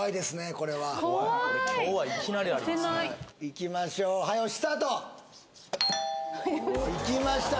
これは怖いいきましょう早押しスタートいきました